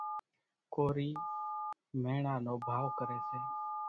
ڪورِي ميڻا نو ڀائو ڪريَ۔